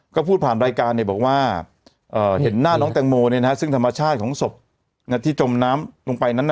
ก็พูดผ่านรายการบอกว่าเห็นหน้าน้องแตงโมซึ่งธรรมชาติของศพที่จมน้ำลงไปนั้น